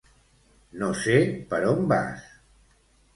No sé per on vas.